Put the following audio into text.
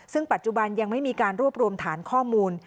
ซึ่งปัจจุบันยังไม่มีการรวบรวมฐานข้อมูล